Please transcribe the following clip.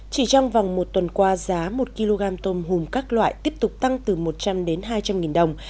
chỉ trong vòng một tuần qua giá một kg tôm hùm các loại tiếp tục tăng từ một trăm linh đến hai trăm linh nghìn đồng